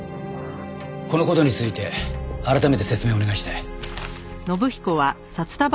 この事について改めて説明をお願いしたい。